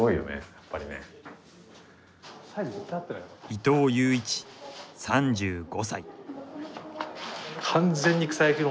伊藤悠一３５歳。